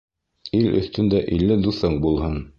Ил өҫтөндә илле дуҫың булһын.